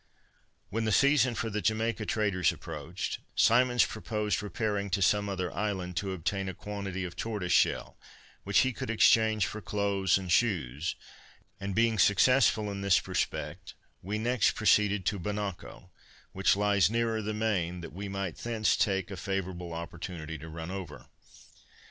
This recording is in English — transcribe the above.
When the season for the Jamaica traders approached, Symonds proposed repairing to some other island to obtain a quantity of tortoise shell which he could exchange for clothes and shoes; and, being successful in this respect, we next proceeded to Bonacco, which lies nearer the main, that we might thence take a favorable opportunity to run over.